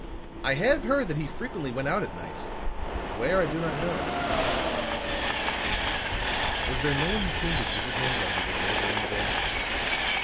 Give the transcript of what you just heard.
I have heard that he frequently went out at night; but where I do not know." "Was there no one who came to visit him while you were there during the day.